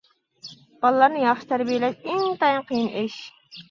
بالىلارنى ياخشى تەربىيەلەش ئىنتايىن قىيىن ئىش.